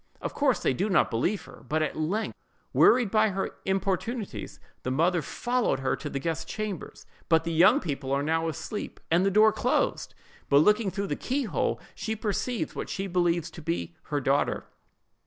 Of course, they do not believe her; but at length, wearied by her importunities, the mother follows her to the guest's chamber; but the young people are now asleep, and the door closed; but looking through the keyhole, she perceives what she believes to be her daughter.